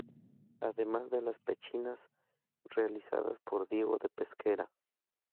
Además de las pechinas, realizadas por Diego de Pesquera.